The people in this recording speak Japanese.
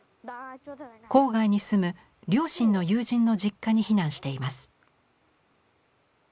郊外に住む両親の友人の実家に避難しています。